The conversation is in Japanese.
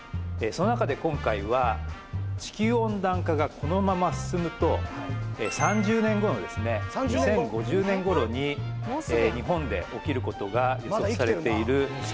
その中で今回は地球温暖化がこのまま進むと３０年後の２０５０年頃に日本で起きることが予測されている